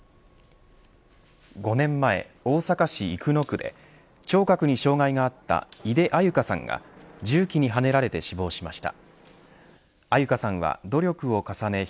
５年前、大阪市生野区で聴覚に障害があった井出安優香さんが重機にはねられて死亡しました。